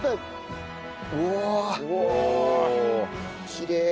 きれい。